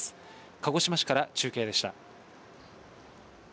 鹿児島市から中継でした。